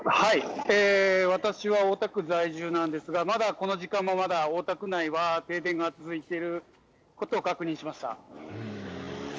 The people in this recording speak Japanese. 私は大田区在住なんですがまだ、この時間も大田区内は停電が続いていることを確認しました。